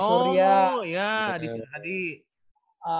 oh ya adi surya